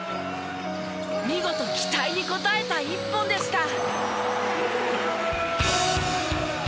見事期待に応えた一本でした！